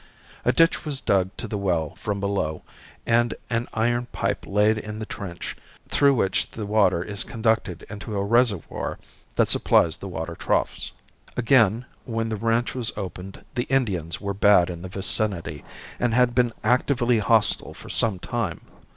A ditch was dug to the well from below and an iron pipe laid in the trench, through which the water is conducted into a reservoir that supplies the water troughs. Again, when the ranch was opened the Indians were bad in the vicinity and had been actively hostile for some time.